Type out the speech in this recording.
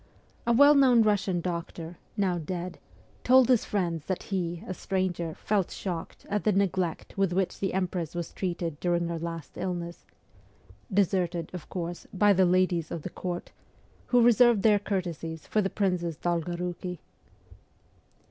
A well known Russian doctor, now dead, told his friends that he, a stranger, felt shocked at the neglect with which the Empress was treated during her last illness deserted, of course, by the ladies of the court, who reserved their courtesies for the Princess Dolgoruki.